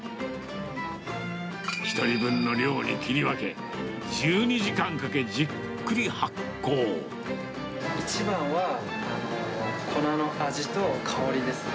１人分の量に切り分け、１２時間かけ、一番は、粉の味と香りですね。